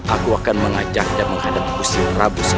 aku akan mengajaknya menghadapi kusir rabu sejurah